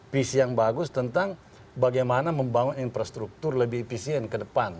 visi yang bagus tentang bagaimana membangun infrastruktur lebih efisien ke depan